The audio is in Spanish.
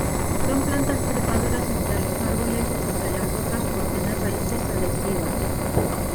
Son plantas trepadoras entre los árboles o sobre las rocas por tener raíces adhesivas.